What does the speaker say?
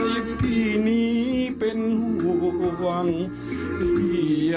โอ้โหคือลูกค้าชอบ